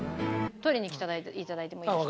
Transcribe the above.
取りに来て頂いてもいいですか？